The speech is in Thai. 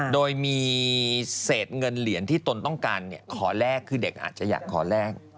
โดยมีเศษเงินเหรียญที่ตนต้องการขอแลกคือเด็กอาจจะอยากขอแลก